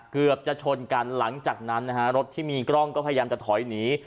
เกือบจะชนกันหลังจากนั้นนะฮะรถที่มีกล้องก็พยายามจะถอยหนี